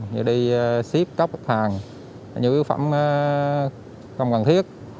như đi ship các mặt hàng những yếu phẩm không cần thiết